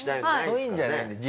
そういうのじゃないんだよ。